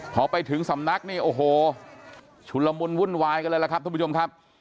พอไปถึงสำนักนี่โอ้โหชุนละมุนวุ่นวายกันเลยล่ะครับท่านผู้ชมครับ